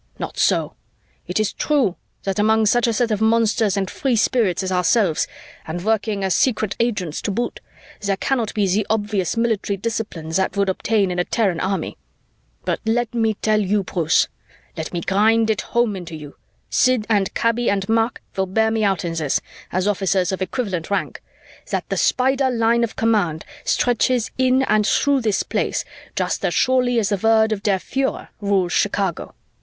Not so. It is true that among such a set of monsters and free spirits as ourselves, and working as secret agents to boot, there cannot be the obvious military discipline that would obtain in a Terran army. "But let me tell you, Bruce, let me grind it home into you Sid and Kaby and Mark will bear me out in this, as officers of equivalent rank that the Spider line of command stretches into and through this Place just as surely as the word of der Führer rules Chicago.